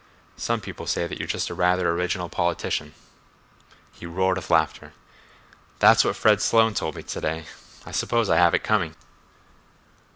"Some people say that you're just a rather original politician." He roared with laughter. "That's what Fred Sloane told me to day. I suppose I have it coming."